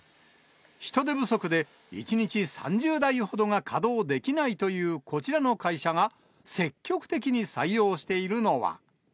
人手不足で１日３０台ほどが稼働できないというこちらの会社が、積極的に採用しているのは。